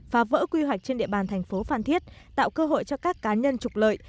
phá vỡ quy hoạch trên địa bàn thành phố phan thiết tạo cơ hội cho các cá nhân trục lợi